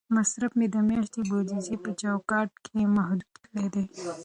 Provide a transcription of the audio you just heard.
مصرف مې د میاشتنۍ بودیجې په چوکاټ کې محدود کړی دی.